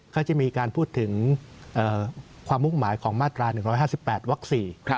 เขาจะมีการพูดถึงความมุ่งหมายของมาตรา๑๕๘วัก๔